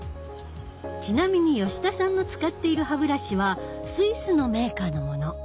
ちなみに吉田さんの使っている歯ブラシはスイスのメーカーのもの。